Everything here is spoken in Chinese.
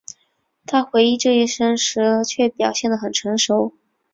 他回应这一声明时却表现得很成熟。